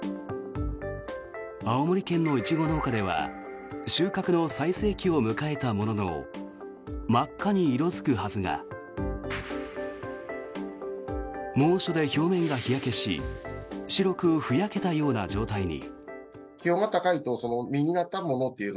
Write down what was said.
青森県のイチゴ農家では収穫の最盛期を迎えたものの真っ赤に色付くはずが猛暑で表面が日焼けし白くふやけたような状態に。